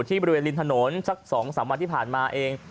ที่บริเวณริมถนนสัก๒๓วันที่ผ่านมาเอง